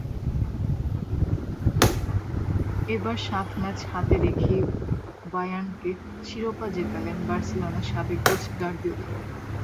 এবার সাত ম্যাচ হাতে রেখেই বায়ার্নকে শিরোপা জেতালেন বার্সেলোনার সাবেক কোচ গার্দিওলা।